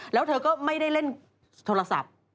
แล้วเธอก็ไม่ได้เล่นโทรศัพท์